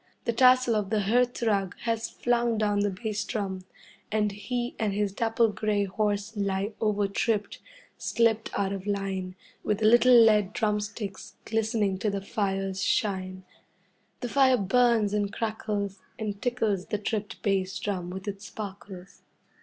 The tassel of the hearth rug has flung down the bass drum, and he and his dapple grey horse lie overtripped, slipped out of line, with the little lead drumsticks glistening to the fire's shine. The fire burns and crackles, and tickles the tripped bass drum with its sparkles.